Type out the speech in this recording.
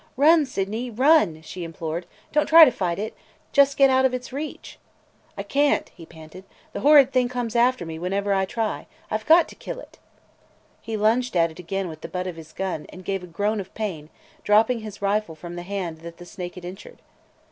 "Oh, run, Sydney, run!" she implored. "Don't try to fight it. Just get out of its reach!" "I can't!" he panted. "The horrid thing comes after me whenever I try. I 've got to kill it!" He lunged at it again with the butt of his gun and gave a groan of pain, dropping his rifle from the hand that the snake had injured.